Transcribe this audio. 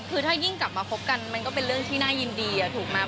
คือถ้ายิ่งกลับมาคบกันมันก็เป็นเรื่องที่น่ายินดีถูกไหม